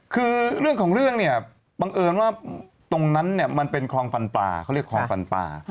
คือเรื่องของเรื่องเนี่ยบังเอิญว่าตรงนั้นเนี่ยมันเป็นคลองฟันปลาเขาเรียกคลองฟันปลา